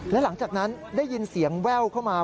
และหลังจากนั้นได้ยินเสียงแว่วเข้ามา